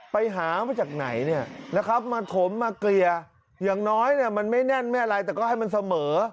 ไปหาไปจากไหนมาถมมาเกลียวอย่างน้อยมันไม่แน่นแต่ให้มันเสมอ